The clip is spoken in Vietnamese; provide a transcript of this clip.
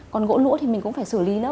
còn gỗ lũa thì mình cũng phải xử lý nó